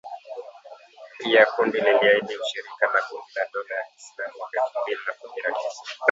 Pia kundi liliahidi ushirika na kundi la dola ya kiislamu mwaka elfu mbili na kumi na tisa